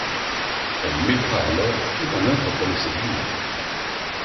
Elle mettra alors tout en œuvre pour le séduire...